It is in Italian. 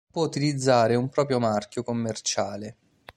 Può utilizzare un proprio marchio commerciale.